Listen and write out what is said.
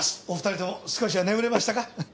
お二人とも少しは眠れましたか？